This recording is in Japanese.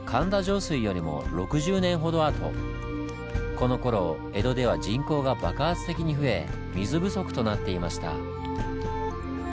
このころ江戸では人口が爆発的に増え水不足となっていました。